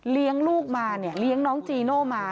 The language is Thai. ลูกมาเนี่ยเลี้ยงน้องจีโน่มา